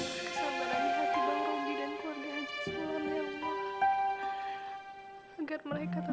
pokoknya mih warga sulam kita bikin malu